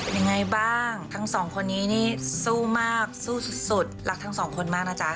ยังไงบ้างทั้งสองคนนี้นี่สู้มากสู้สุดรักทั้งสองคนมากนะจ๊ะ